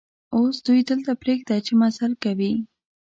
اوس دوی دلته پرېږده چې مزل کوي.